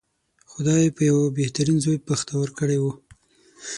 خدای په یوه بهترین زوی بختور کړی و.